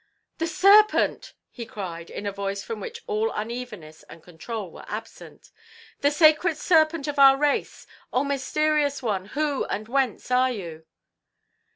"The Serpent!" he cried, in a voice from which all evenness and control were absent. "The Sacred Serpent of our Race! O mysterious one, who and whence are you?"